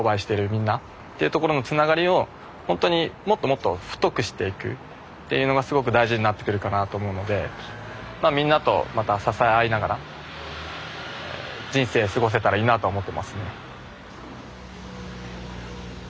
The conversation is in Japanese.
みんなっていうところのつながりをほんとにもっともっと太くしていくっていうのがすごく大事になってくるかなと思うのでまあみんなとまた支え合いながら人生過ごせたらいいなとは思ってますね。